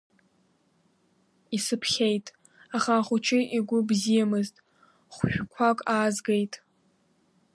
Исыԥхьеит, аха ахәыҷы игәы бзиамызт, хәшәқәак аазгеит.